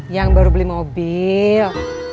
yang baru beli mobil